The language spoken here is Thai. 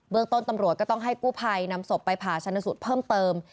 ต้นตำรวจก็ต้องให้กู้ภัยนำศพไปผ่าชนสูตรเพิ่มเติม